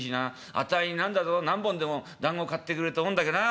あたいになんだぞ何本でもだんご買ってくれると思うんだけどな。